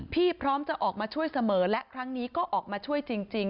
พร้อมจะออกมาช่วยเสมอและครั้งนี้ก็ออกมาช่วยจริง